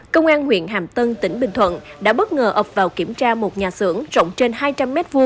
công an huyện hàm tân tỉnh bình thuận đã bất ngờ ập vào kiểm tra một nhà xưởng rộng trên hai trăm linh m hai